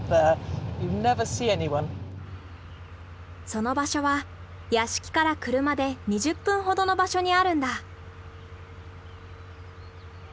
その場所は屋敷から車で２０分ほどの場所にあるんだ。